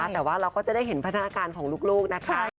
แต่ว่าเราก็จะได้เห็นพัฒนาการของลูกนะคะ